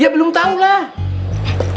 ya belum tau lah